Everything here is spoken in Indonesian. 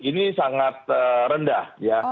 ini sangat rendah ya